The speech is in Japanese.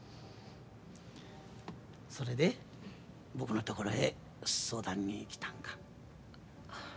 それで僕のところへ相談に来たんか。